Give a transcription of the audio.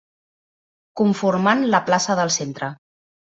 Conformant la plaça del centre.